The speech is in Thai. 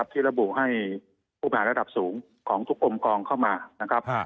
ที่ระบุให้ผู้แผนระดับสูงของทุกกลมกองเข้ามานะครับ